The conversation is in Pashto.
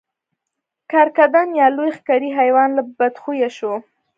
کرکدن یا لوی ښکری حیوان لا بدخویه شو.